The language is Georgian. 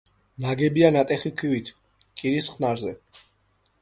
ნაგებია ნატეხი ქვით კირის ხსნარზე.